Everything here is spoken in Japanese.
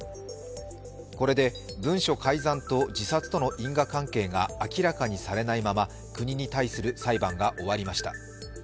これで文書改ざんと自殺との因果関係が明らかにされないまま国に対する裁判が終わりました。